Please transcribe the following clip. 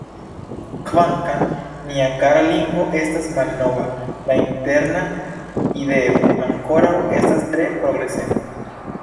Kvankam nia kara lingvo estas malnova, la interna ideo ankoraŭ estas tre progresema.